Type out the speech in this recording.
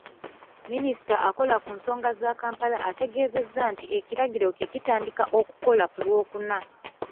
Minisita akola ku nsonga za Kampala ategeezezza nti ekiragiro kye kitandika okukola ku Lwokuna.